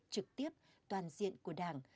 trực tiếp toàn diện của đảng